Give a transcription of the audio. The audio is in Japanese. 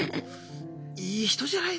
いい人じゃないの！